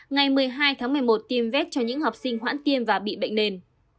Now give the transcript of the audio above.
ngày một mươi hai tháng một mươi một tiêm vét cho những học sinh hoãn tiêm và bị bệnh nền